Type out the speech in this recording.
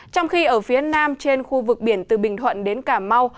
trong khi ở phía nam trên khu vực biển từ bình thuận đến cà mau